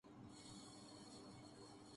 کوئی آپ پر حملہ کرنے سے کترا رہا تھا اور